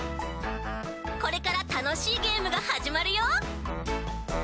これからたのしいゲームがはじまるよ！